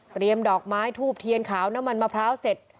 ดอกไม้ทูบเทียนขาวน้ำมันมะพร้าวเสร็จ